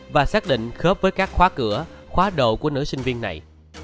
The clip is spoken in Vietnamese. và xác định khớp với các khóa cửa khóa đồ của nữ sinh viên này